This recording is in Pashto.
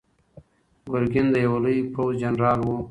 ګرګین د یوه لوی پوځ جنرال و.